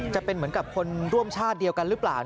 จะเป็นเหมือนกับคนร่วมชาติเดียวกันหรือเปล่า